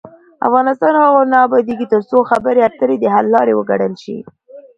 افغانستان تر هغو نه ابادیږي، ترڅو خبرې اترې د حل لار وګڼل شي.